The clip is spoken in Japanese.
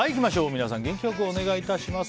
皆さん、元気良くお願いします。